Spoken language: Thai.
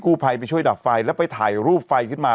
ผู้ภัยไปช่วยดับไฟแล้วไปถ่ายรูปไฟขึ้นมา